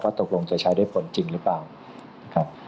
ว่าตกลงจะใช้ได้ผลจริงหรือเปล่า